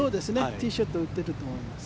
ティーショットを打てると思います。